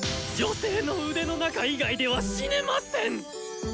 女性の腕の中以外では死ねません！